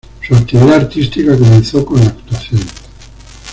Su actividad artística comenzó con la actuación.